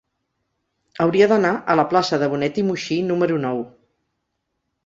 Hauria d'anar a la plaça de Bonet i Muixí número nou.